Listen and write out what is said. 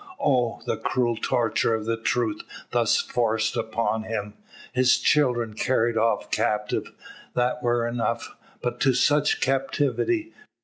Oh! the cruel torture of the truth thus forced upon him! His children carried off captive, that were enough. But to such captivity!